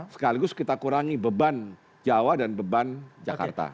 sekaligus kita kurangi beban jawa dan beban jakarta